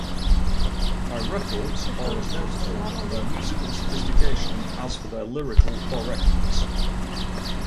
Her records are as notable for their musical sophistication as for their lyrical directness.